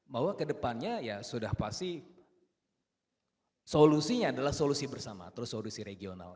bahwa kedepannya ya sudah pasti solusinya adalah solusi bersama terus solusi regional